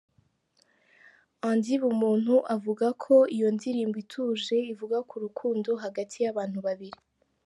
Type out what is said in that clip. Andy Bumuntu avuga ko iyo ndirimbo ituje, ivuga ku rukundo hagati y’abantu babiri.